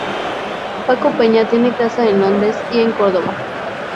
Paco Peña tiene casa en Londres y en Córdoba.